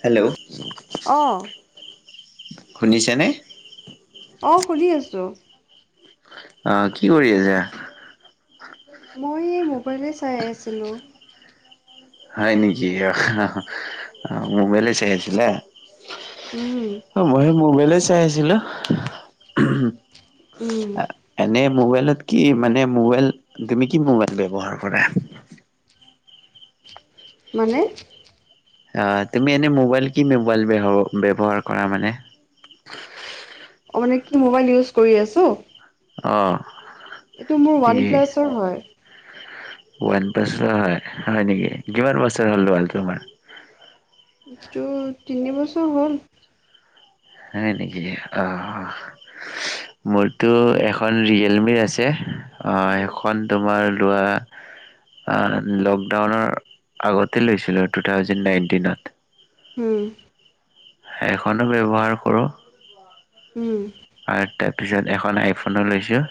Hello. অ। শুনিছেনে? অ, শুনি আছোঁ। অ, কি কৰি আছা? মই এই মোবাইলে চাই আছিলোঁ। হয় নেকি অ, মোবাইলে চাই আছিলা। উম। অ, মইও মোবাইলে চাই আছিলো। উম, এনে মোবাইলত কি মানে, মোবাইল তুমি কি মোবাইল ব্যৱহাৰ কৰা? মানে? তুমি এনেই মোবাইল, কি মোবাইল ব্যহ- ব্যৱহাৰ কৰা মানে? অ, মানে কি মোবাইল ইউজ কৰি আছোঁ। অ। এইটো মোৰ ই ওৱান প্লাছৰ হয়। ওৱান প্লাছৰ হয়- হয় নেকি, কিমান বছৰ হ'ল লোৱা তোমাৰ? এইটো তিনি বছৰ হ'ল। হয় নেকি, অঁ। মোৰতো এখন ৰিয়েলমিৰ আছে, অ উম, এখন তোমাৰ লোৱা তোমাৰ লোৱা, লকডাউনৰ আগতে লৈছিলোঁ টু থাউজেণ্ড নাইণ্টিনত। উম। সেইখনো ব্যৱহাৰ কৰোঁ। উম। আৰু তাৰপিছত এখন আইফোনো লৈছোঁ।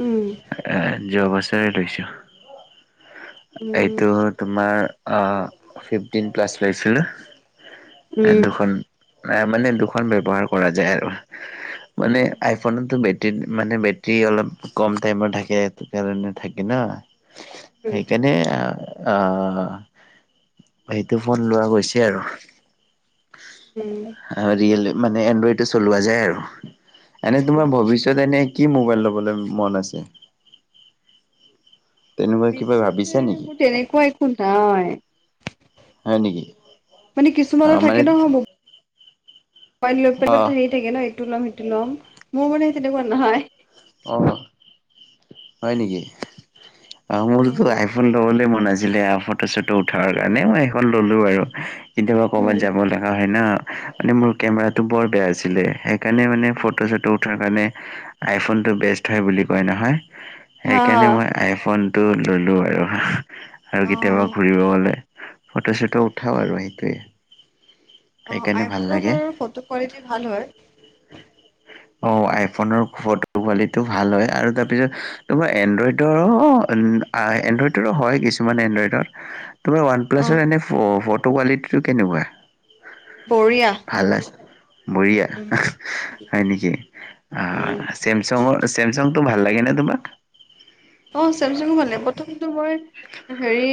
উম। এ যোৱা বছৰে লৈছো। উম, এইটো তোমাৰ অহ, ফিফটিন প্লাছ লৈছিলোঁ উম, দুখন। নাই মানে দুখন ব্যৱহাৰ কৰা যায় আৰু মানে উম, আই ফোনততো বেটৰীত মানে বেটৰী অলপ কম টাইমত থাকে [unintelligible] কাৰণে থাকে ন সেইকাৰণে আহ আহ সেইটো ফোন লোৱা হৈছে আৰু উম এনকা ৰিয়েল মানে এনড্ৰইডে চলোৱা যায় আৰু এনে তোমাৰ ভৱিষ্যত এনে কি মোবাইল ল'বলৈ মন আছে? তেনেকুৱা কিবা ভৱিষ্যতে ভাবিছা নেকি? মোৰ তেনেকুৱা একো নাই হয় নেকি? মানে অ' কিছুমানৰ মানে থাকে নহয় বহু [unintelligible] অ' হেৰি থাকে ন ইটো লম সিটো লম, মোৰ মানে সেই তেনেকুৱা নহয় অ হয় নেকি, আৰু মোৰতো উম, আই ফোনটো ল'বলে মন আছিলে আহ ফটো চটো উঠাৰ কাৰণে মই সেইখন ললো আৰু। কেতিয়াবা কৰ'বাত উম, যাব লগা হয় না মানে মোৰ কেমেৰাটো বৰ বেয়া আছিলে সে কাৰণে মানে ফটো চটো উঠাৰ কাৰণে আইফোনটো বেষ্ট হয় বুলি কয় নহয় হা, হা, সেইকাৰণে মই আইফোনটো ললো আৰু আৰু কেতিয়াবা অ'। ঘুৰিব গ'লে ফটো চটো উঠাও আৰু সেইটোৱে অ সেইকাৰণে ভাল আইফোনৰ লাগে। পৰা ফটো কোৱালিটি ভাল হয়। অ আইফোনৰ ফটো কোৱালিটিও ভাল হয় আৰু তাৰপিছত তোমাৰ এনড্ৰইডৰ আ এনড্ৰইডৰো হয় কিছুমান এনড্ৰইডৰত তোমাৰ ওৱান অ', প্লাছৰ এনে ফ ফটো কোৱালিটিটো কেনেকুৱা? বঢ়িয়া ভাল আছে, বঢ়িয়া উম, আহ আ হয় নেকি আহ উম, চেমচঙৰ চেমচংটো ভাল লাগে নে তোমাক অ চেমচঙো ভালে প্ৰথমটো মই হেৰি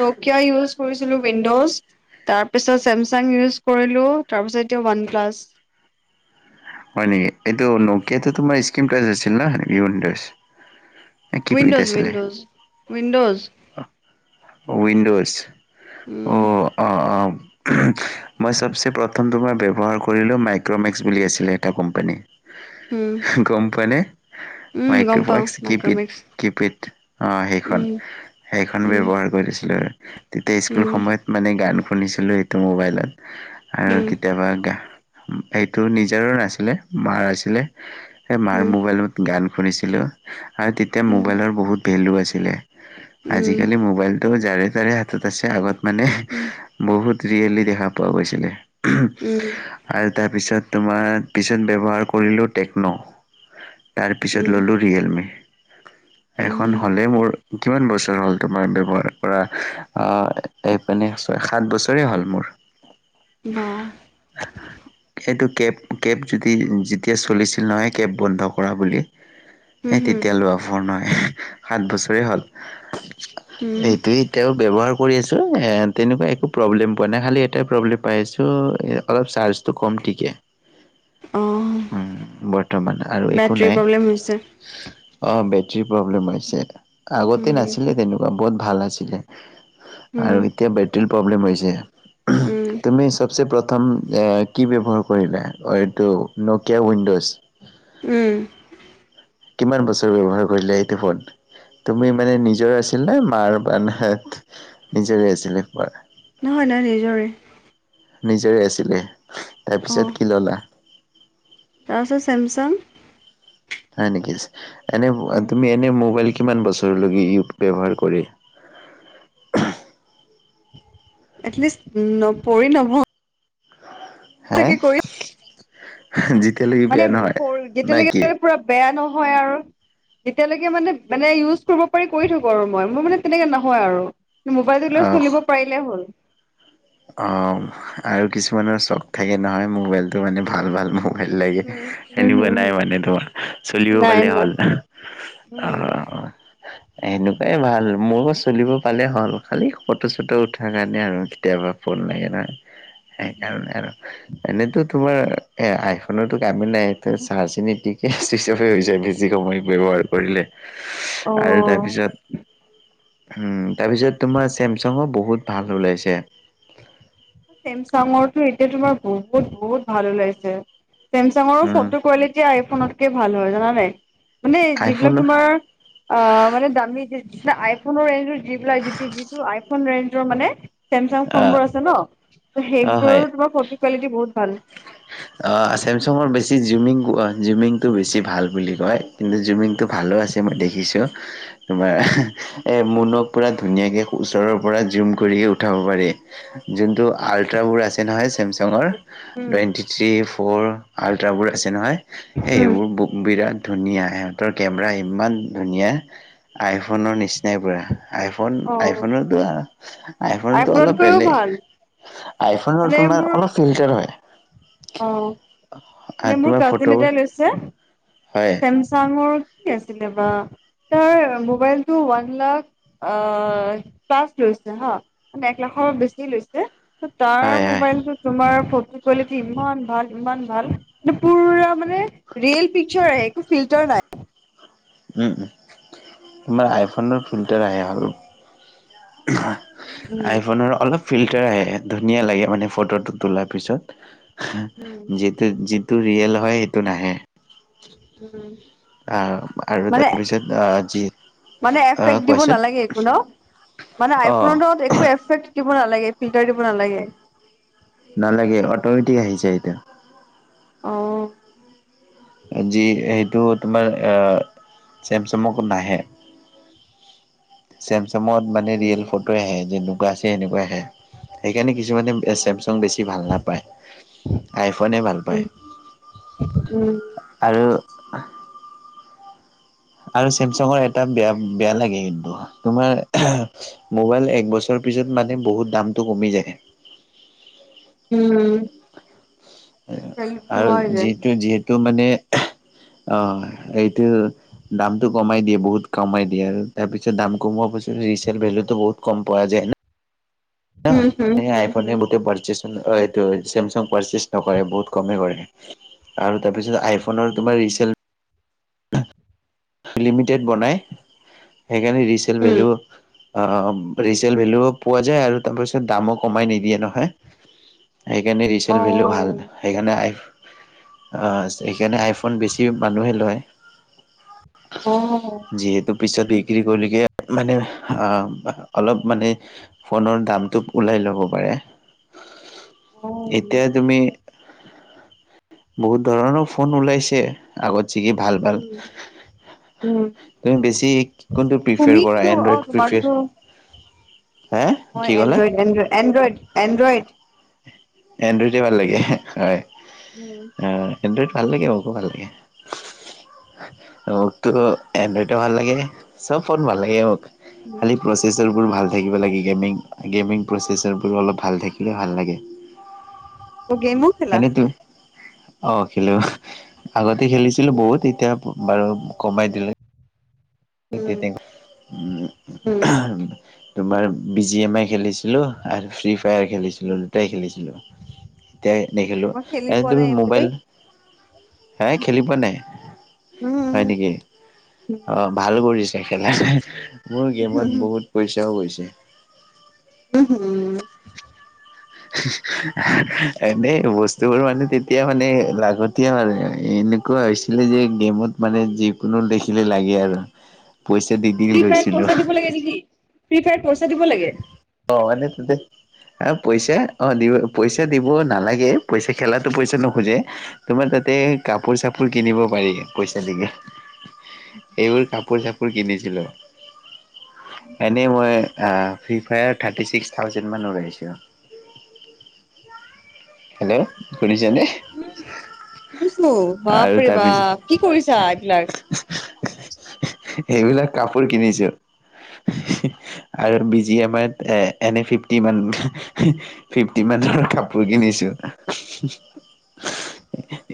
নকিয়া ইউজ কৰিছিলো উইণ্ড'জ তাৰ পিছত ছেমচাং ইউজ কৰিলো তাৰপিছত এতিয়া ওৱান প্লাছ হয় নেকি এইটো নকিয়াতো তোমাৰ স্কিম টাচ আছিল না উইণ্ডজ না কিপেড উইণ্ড'জ আছিলে উইণ্ড'জ উইণ্ড'জ অ উইণ্ডজ। অ উম, অহ অহ উহুম মই চবচে প্ৰথমটো মই ব্যৱহাৰ কৰিলোঁ মাইক্ৰ'মেক্স বুলি আছিলে এটা কোম্পানী এহ উম, হে গম পোৱানে উম, গম পাওঁ মাইক্ৰভইক্স কি পেড মাইক্ৰ'মেক্স কি পেড আহ সেইখন উম, সেইখন উম, ব্যৱহাৰ কৰিছিলো আৰু। তেতিয়া স্কুল উম, সময়ত মানে গান শুনিছিলোঁ এইটো মোবাইলত আৰু উম, উম, কেতিয়াবা গা এইটো নিজৰো নাছিলে মাৰ আছিলে, সেই মাৰ উম, মোবাইলত গান শুনিছিলোঁ আৰু তেতিয়া উম, মোবাইলৰ বহুত ভেলু আছিলে আজি-কালি মোবাইলটো যাৰে তাৰে হাতত আছে, আগত মানে উম, বহুত ৰিয়েলি দেখা পোৱা গৈছিলে উহুম উম, আৰু তাৰপিছত তোমাৰ পিছত ব্যৱহাৰ কৰিলোঁ টেক্ন' তাৰপিছত উম, ল'লোঁ ৰিয়েলমি। এখন উম, হ'লেই মোৰ কিমান বছৰ হ'ল তোমাৰ ব্যৱহাৰ কৰা, আ এইপানে ছয়, সাত বছৰেই হ'ল মোৰ। [inaudible] বা আহ সেইটো কেব কেব যদি যেতিয়া চলিছিল নহয় কেব বন্ধ কৰা বুলি উম, এই হম, তেতিয়া লোৱা ফন হয় সাত বছৰে হ'ল। উম, এইটোয়ে এতিয়া ব্যৱহাৰ কৰি আছোঁ, এ তেনেকুৱা একো প্ৰব্লেম পোৱা নাই। খালী এটাই প্ৰব্লেম পাই আছোঁ অলপ চাৰ্জটো কম টিকে। অহ। উম, বৰ্তমান আৰু একো নাই। প্ৰব্লেম হৈছে অ, বেটৰীৰ প্ৰব্লেম হৈছে। আগতে উম নাছিলে তেনেকুৱা বহুত ভাল আছিলে। উম আৰু এতিয়া বেটৰীৰ প্ৰব্লেম হৈছে। উম তুমি চবচে প্ৰথম কি ব্যৱহাৰ কৰিলো? অঁ, এইটো নকিয়া উইণ্ড'জ। উম। কিমান বছৰ ব্যৱহাৰ কৰিলে এইটো ফোন? তুমি মানে নিজৰ আছিল নে? মাৰ বাত নিজৰে আছিলে পাৰ। নহয়, নাই নিজৰে। নিজৰে আছিলে, অ তাৰপিছত কি ল'লা? তাৰপাছত চছেমচং। হয় নেকি, এনে তুমি এনে মোবাইল কিমান বছৰলৈকে ব্যৱহাৰ কৰি এটলিষ্ট ন, পৰি নহয় হে, যেতিয়ালৈকি মানে বিয়া নহয় নাই কি? যেতিয়ালৈকে পুৰা বেয়া নহয় আৰু। তেতিয়ালৈকে মানে, মানে ইউজ কৰিব পাৰি কৰি থাকো আৰু। মই মানে তেনেকে নহয় আৰু। মোবাইলটোল অ চলিব পাৰিলে হ'ল। অ, আৰু কিছুমানৰ চখ থাকে নহয় মোবাইল। ত মানে ভাল- উম ভাল মোবাইল লাগে। উম উম এনিব নাই হম মানে তোমাৰ চলিব নাই পালে নাই হ'ল। উম। অ'। সেনেকুৱাই ভাল। ময়ো চলিব পালে হ'ল খালি ফটো- চটো উঠাৰ কাৰণে আৰু কেতিয়াবা। ফোন লাগে ন, সেই কাৰণে আৰু। এনেতো তোমাৰ এ আইফোনৰতো কামেই নাই চাৰ্জিনিতিকে চুইচ অফে হৈছে। যি সময় ব্যৱহাৰ কৰিলে, আৰু অ তাৰপিছত তাৰপিছত তোমাৰ চেমচাঙো বহুত ভাল ওলাইছে। চছেমচাঙৰটো এতিয়া তোমাৰ বহুত- বহুত ভাল ওলাইছে। চেমচাঙৰ উম, ফটো কোৱালিটি আইফোনতকে ভাল হয় জানা নাই। মানে যিবিলাক আইফোন তোমাৰ অ, মানে দামী আইফনৰ ৰেঞ্জৰ যিলাক যি- যিটো আইফোন ৰেঞ্জৰ মানে। চেমচাং অ', ফোনবোৰ আছে ন। ত অ', হয়। সেইবোৰৰো তোমাৰ ফটো কোৱালিটি বহুত ভাল। চেমচুঙৰ বেছি জুমিং- জুমিংটো বেছি ভাল বুলি কয়। কিন্তু উম, হুম। জুইমিংটো ভালো আছে মই দেখিছোঁ। তোমাৰ এ মুনক পুৰা ধুনীয়াকে ওচৰৰ পৰা জুম কৰি উঠাব পাৰি। যোনটো আল্ট্ৰাবোৰ আছে নহয়, চেমচাঙৰ উম, টুৱেণ্টি থ্ৰী ফ'ৰ। আল্ট্ৰাবোৰ আছে নহয় উম, সেইবোৰ বহু বিৰাট ধুনীয়া। সিহঁতৰ কেমেৰা ইমান ধুনীয়া, আইফোনৰ নিচিনাই পুৰা। ফোন অ' আইফোনতো, আইফোনতো অলপ আইফোনতকৈও বেলেগ। ভাল। আইফনৰ মানে তোমাৰ মোৰ অলপ ফিল্টাৰ হয়। অ, মোৰ তোমাৰ কাজিন ফটোবোৰ এটাই লৈছে হয় চেমচুম চাঙৰ কি আছিলে বা, তাৰ মোবাইলটো ওৱান লাখ অ, পলাচ লৈছে হা। মানে এক লাখৰ বেছি লৈছে। তাৰ হয় হয়। মোবাইলটো তোমাৰ ফটো কোৱালি ইমান ভাল, ইমান ভাল পুৰা মানে ৰিয়েল পিকচাৰ আহে, একো ফিল্টাৰ নাই। উম, উম, তোমাৰ আইফোনৰ ফিল্টাৰ আহে ভাল। উম আইফোনৰ অলপ ফিল্টাৰ আহে, ধুনীয়া লাগে মানে, ফটোটো তোলাৰ পিছত। উম। যিটো- যিটো ৰিয়েল হয়, সেইটো নাহে। উম। আহ আৰু মানে- তাৰপিছত আহ যি মানে আহ এফেক্ট দিব কোৱাচোন নালাগে একো ন। মানে অ'। আইফোনৰ একো এফেক্ট দিব নালাগে, ফিল্টাৰ দিব নালাগে। নালাগে, অট'মেটিক আহি যায় এইটো। অ। যি এইটো তোমাৰ, চেমচাঙক নাহে। চেমচাঙত মানে উম ৰিয়েল ফটো আহে, যেনেকুৱা আছে সেনেকুৱা আহে। সেইকাৰণে কিছুমানে উম চেমচং বেছি ভাল নাপায়। আইফোনে ভাল পায়। উম উম। আৰু আৰু চেমচাঙৰ এটা বেয়া- বেয়া লাগে কিন্তু, তোমাৰ মোবাইল একবছৰৰ পিছত মানে বহুত দামতটো কমি যায়। উম। ভেলু আৰু নোহোৱা হৈ যায় যিটো, যিহেতু মানে অ, এইটো দামতটো কমাই দিয়ে, বহুত কমাই দিয়ে আৰু তাৰ পিছত দাম কমোৱাৰ পিছত ৰিচেল ভেলুটো বহুত কম পোৱা যায়। উম হুম এ হুম আইফনে হুম গোটেই পৰচেছ অ, এইটো চোমচাং পৰচেছ নকৰে, বহুত কম কৰে। আৰু তাৰপিছত আইফোন আইফোনৰ উম তোমাৰ ৰিছেল লিমিটেড বনাই, সেইকাৰণে ৰিচেল উম ভেলু অ, ৰিচেল ভেলুও পোৱা যায় আৰু তাৰপিছত দামো কমাই নিদিয়ে নহয়। সেইকাৰণে অ ৰিচেল ভেলু ভাল, সেইকাৰণে- সেইকাৰণে আইফোন বেছি মানুহে লয়। অ যিহেতু পিছত বিক্ৰী কৰিলগে মানে, অলপ মানে ফনৰ দামতো উলাই লব পাৰে, অ এতিয়া তুমি বহুত ধৰণৰ ফোন ওলাইছে। আগত ছেকি ভাল, ভাল। উম উম তুমি বেছি কোনটো তুমি প্ৰিফাৰ কি কৰা, হ'ল? অ এডই প্ৰিফাৰ? তোমাৰতো হা মই কি ক'লা? এনড্ৰইড-এডই- এনড্ৰইড- এনড্ৰইড। এনড্ৰইড ভাল লাগে, হয়। উম। অ, এনড্ৰইড ভাল লাগে, মোকো ভাল লাগে। মোকটো এনড্ৰইডো ভাল লাগে, চব ফোন ভাল লাগে মোক। উম। খালী প্ৰচেছাৰবোৰ ভাল থাকিব লাগে। গেমিং- গেমিং প্ৰচেচাৰবোৰ অলপ ভাল থাকিলে ভাল লাগে। অ, গেমো খেলা এনেত অ, খেলোঁ। আগতে খেলিছিলোঁ উম বহুত। এতিয়া বাৰু কমাই দিলে। উম উম [unintelligible] তোমাৰ বি জি এম আই খেলিছিলোঁ আৰু ফ্ৰী ফায়াৰ খেলিছিলোঁ, উম। দুটাই খেলিছিলোঁ, এতিয়াই নেখেলো। মই খেলি এনে পোৱা তুমি নাই এইবোৰ মোবাইল দেই হে খেলি পোৱা নাই? হয় উম নেকি? উম অ। বহুত হৈছে খেলা। মোৰ উম গেমত বহুত পইচাও গৈছে। উম, হু। এনেই বস্তুবোৰ মানে তেতিয়া মানে লাগ এতিয়া এনেকুৱা হৈছিলে যে, গেমত মানে যিকোনো দেখিলে লাগে আৰু। পইচা দি, দি ফ্ৰী ফায়াৰত লৈছিলো। পইচা দিব লাগে নেকি ফ্ৰী ফায়াত পইচা দিব লাগে? অ', এনে তাতে অ', পইচা, অ', দিব পইচা দিব নালাগে। পইচা খেলাতো পইচা নোখোজে। তোমাৰ তাতে কাপোৰ চাপোৰ কিনিব পাৰি, পইচা দিকে। এইবোৰ কাপোৰ চাপোৰ কিনিছিলো। এনে মই আ ফ্ৰী ফায়াৰত থাৰ্টি ছিক্স থাউজেণ্ড মান ওৰাইছো। হেল্ল'! শুনিছ নে? শুনিছো। বাপৰে বা কি কৰিছা, এইবিলাক? এইবিলাক কাপোৰ কিনিছো। আৰু বি জি এম আইত, এ এনে ফিফটি মান। ফিফটি মানৰ কাপোৰ কিনিছো।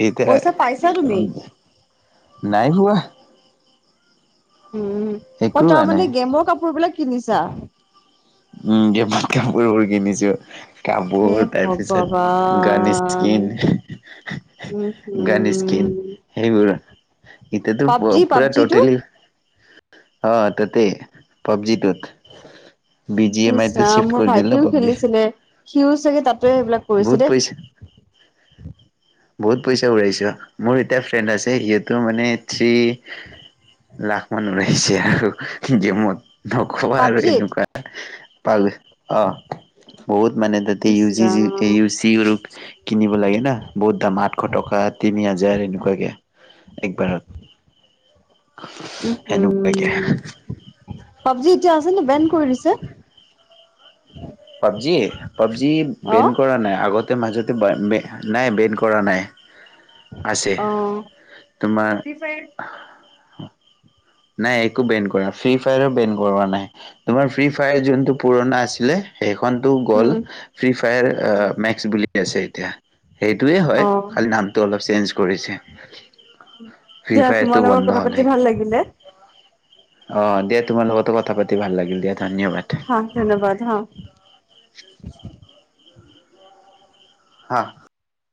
এতিয়া, পইচা পাইছা তুমি নাই হোৱা। উম, অ একো হোৱা নাই 'তাৰমানে গেমৰ কাপোৰ বিলাক কিনিছা? উম। গেমত কাপোৰবোৰ কিনিছো। হে কাপোৰ তাৰপিছত গান ভগৱান স্কিন। উম, গান স্কিন, হম। সেইবোৰ। এতিয়া তো, পাবজি পুৰা পাবজিটো টোটেলি, অ তাতে, পাবজিটোত। বি জি এম ইছ আইটো চিফ্ট ৰাম, মোৰ কৰি দিল ন ভাইটিও পাবজি খেলিছিলে। সিও চাগে তাতে সেইবিলাক কৰিছে বহুত দেই পইচা বহুত পইচা উৰাইছোঁ। মোৰ এতিয়া ফ্ৰেণ্ড আছে। সিওটো মানে থ্ৰী লাখ মান উৰাইছে আৰু গেমত। নকবা আৰু পাবজিত এনেকুৱা পা। অ' বহুত মানে তাতে ইচ U G Ram. U C কিনিব লাগে না। বহুত দাম আঠশ টকা, তিনি হাজাৰ এনেকুৱাকে, একবাৰত। উম হু, সেনেকুৱাকে পাবজি এতিয়া আছে নে বেন কৰি দিছে? পাবজি? পাবজি বেন অ', কৰা নাই, আগতে মাজতে [unintelligible] নাই বেন কৰা নাই। আছে, অ'। তোমা। ফ্ৰী ফায়াৰ নাই একো বেন কৰা। ফ্ৰী ফায়াৰো বেন কৰোৱা নাই। তোমাৰ ফ্ৰী ফায়াৰ যোনটো পুৰণা আছিলে। সেইখনতো গ'ল। উম, ফ্ৰী ফায়াৰ মেক্স বুলি আছে এতিয়া। সেইটোৱে হয়, অ'। খালী নামটো অলপ চেঞ্জ কৰিছে। ফ্ৰী দিয়া তোমাৰ ফায়াৰটো লগত বন্ধ কথা হ'ল পাতি হয়। ভাল লাগিলে। অ' দিয়া তোমাৰ লগতো কথা পাতি ভাল লাগিল দিয়া, ধন্যবাদ। হা ধন্যবাদ হ। হা।